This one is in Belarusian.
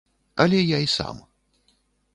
Але я і сам.